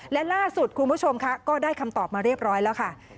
และล่าสุดคุณผู้ชมค่ะก็ได้คำตอบมาเรียบร้อยแล้วค่ะ